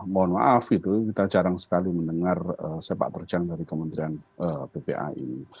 mohon maaf itu kita jarang sekali mendengar sepak terjang dari kementerian ppa ini